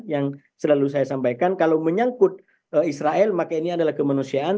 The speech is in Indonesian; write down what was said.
yang selalu saya sampaikan kalau menyangkut israel maka ini adalah kemanusiaan